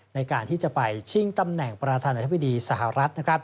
ในการที่จะไปชิงตำแหน่งประธานาธิบดีสหรัฐ